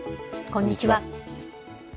こんにちは。